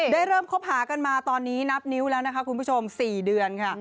เริ่มคบหากันมาตอนนี้นับนิ้วแล้วนะคะคุณผู้ชม๔เดือนค่ะ